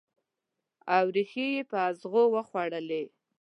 او ریښې یې اغزو وخوړلي